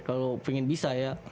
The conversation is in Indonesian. kalau pengen bisa ya